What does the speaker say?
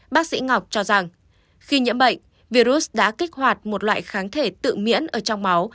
bác sĩ ngọc cho rằng khi nhiễm bệnh virus đã kích hoạt một loại kháng thể tự miễn ở trong máu